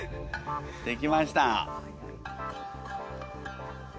できました。